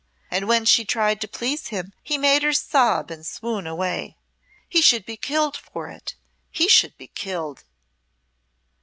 And when she tried to please him he made her sob and swoon away. He should be killed for it he should be killed."